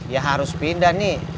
ya harus pindah nih